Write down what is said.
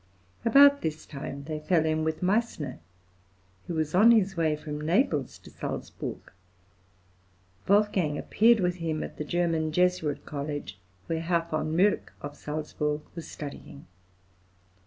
About this time they fell in with Meissner, who was on his way from Naples to Salzburg; Wolfgang appeared with him at the German Jesuit College, where Herr v. Mölk, of Salzburg, was studying.